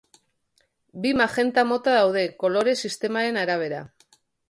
Bi magenta mota daude, kolore sistemaren arabera.